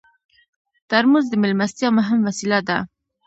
ترموز د میلمستیا مهم وسیله ده.